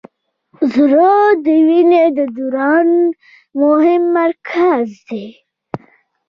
زړه د وینې د دوران مهم مرکز دی.